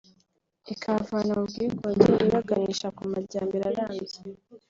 ikabavana mu bwigunge ibaganisha ku majyambere arambye